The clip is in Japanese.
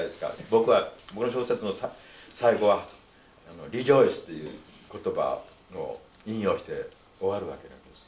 僕はこの小説の最後は「リジョイス」っていう言葉を引用して終わるわけなんです。